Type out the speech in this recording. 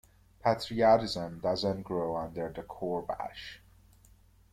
Patriotism does not grow under the 'Kourbash.'